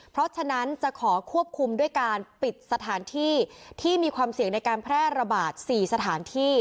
เพราะฉะนั้นจะขอควบคุมด้วยการปิดสถานที่ที่มีความเสี่ยงในการแพร่ระบาด๔สถานที่